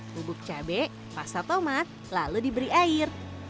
lubuk cabai pasta tomat lalu diberi air